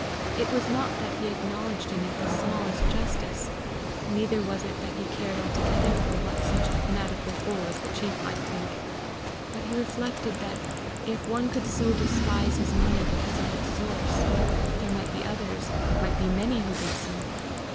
It was not that he acknowledged in it the smallest justice; neither was it that he cared altogether for what such a fanatical fool as the chief might think; but he reflected that if one could so despise his money because of its source, there might be others, might be many who did so.